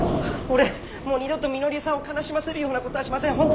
俺もう二度とみのりさんを悲しませるようなことはしません！